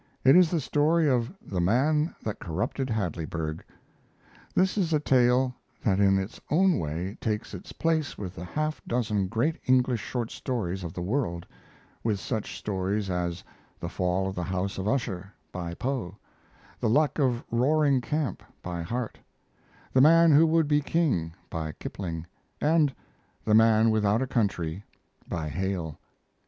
It is the story of "The Man that Corrupted Hadleyburg." This is a tale that in its own way takes its place with the half dozen great English short stories of the world with such stories as "The Fall of the House of Usher," by Poe; "The Luck of Roaring Camp," by Harte; "The Man Who Would be King," by Kipling; and "The Man Without a Country," by Hale.